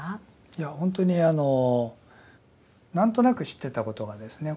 いやほんとにあのなんとなく知ってたことがですね